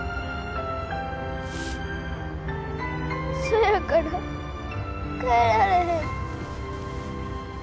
そやから帰られへん。